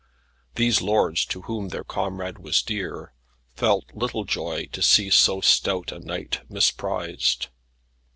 These lords, to whom their comrade was dear, felt little joy to see so stout a knight misprized.